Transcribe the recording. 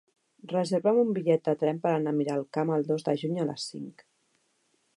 Reserva'm un bitllet de tren per anar a Miralcamp el dos de juny a les cinc.